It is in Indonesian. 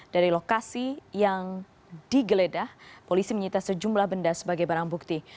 dari lokasi yang digeledah polisi menyita sejumlah benda sebagai barang bukti